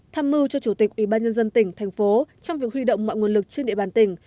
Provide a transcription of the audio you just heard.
tham mưu cho chủ tịch ủy ban nhân dân tỉnh thành phố trong việc huy động mọi nguồn lực trên địa bàn tỉnh